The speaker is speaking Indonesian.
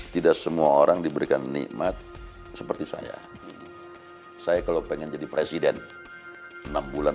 tidak semua orang diberikan nikmat seperti saya saya kalau pengen jadi presiden enam bulan